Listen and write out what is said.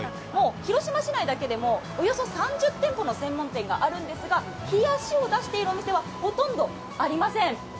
広島市内だけでもおよそ３０店舗の専門店があるんですが冷やしを出しているお店はほとんどありません。